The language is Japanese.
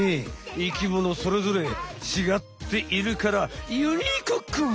生きものそれぞれちがっているからユニークック！